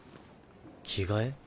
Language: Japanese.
着替え？